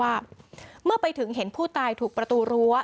ว่าเมื่อไปถึงเห็นผู้ตายถูกประตูรั้ว